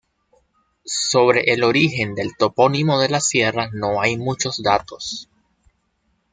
Sobre el origen del topónimo de la sierra no hay muchos datos.